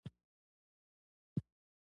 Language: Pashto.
د شنلی بر ځای له دښتو، تیری توری زرعونیږی